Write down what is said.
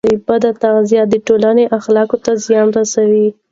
بد تغذیه د ټولنې اخلاقو ته زیان رسوي.